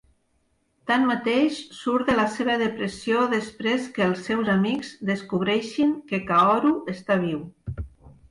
Tanmateix, surt de la seva depressió després que els seus amics descobreixin que Kaoru està viu.